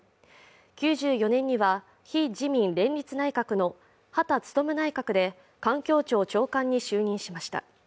９４年には非自民連立内閣の羽田孜内閣で環境庁長官に就任しました。